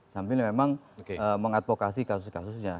sambil memang mengadvokasi kasus kasusnya